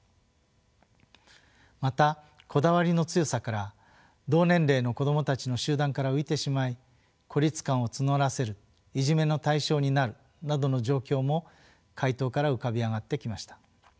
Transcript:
またこだわりの強さから同年齢の子どもたちの集団から浮いてしまい孤立感を募らせるいじめの対象になるなどの状況も回答から浮かび上がってきました。